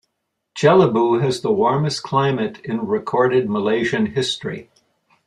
Jelebu has the warmest climate in recorded Malaysian history.